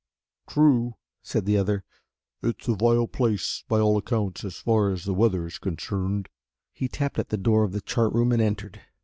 "True," said the other, "it's a vile place, by all accounts, as far as weather is concerned." He tapped at the door of the chart room and entered.